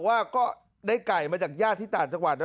แล้วก็บอกได้ไก่มาจากญาติที่ต่างจังหวัด